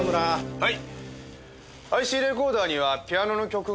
はい。